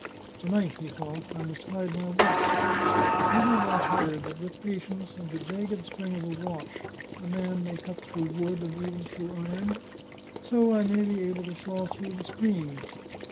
" To night," he thought, " I must hide my watch. Have I not heard that with patience and the jagged spring of a watch, a man may cut through wood and even through iron? So I may be able to saw through the screen."